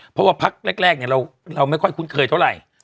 เพราะว่าพักแรกเราไม่ค่อยคุ้นเคยเท่าไหร่